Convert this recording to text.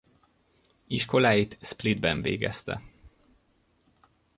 Iskoláit Splitben végezte.